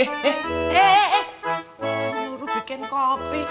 eh eh eh kamu yuruh bikin kopi